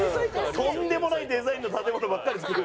とんでもないデザインの建物ばっかり造る。